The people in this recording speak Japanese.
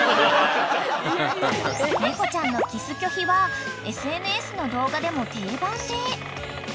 ［猫ちゃんのキス拒否はＳＮＳの動画でも定番で］